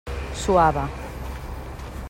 Suava.